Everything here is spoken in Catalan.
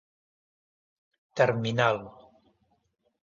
Terminal: